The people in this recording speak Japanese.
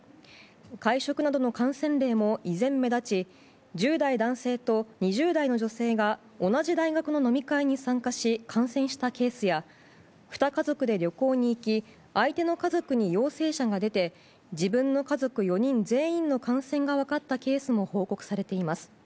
会食などの感染例も依然目立ち１０代男性と２０代の女性が同じ大学の飲み会に参加し感染したケースやふた家族で旅行に行き相手の家族に陽性者が出て自分の家族４人全員の感染が分かったケースも報告されています。